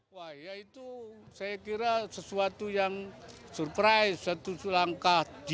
wah ya itu saya kira sesuatu yang surprise satu sulang kaki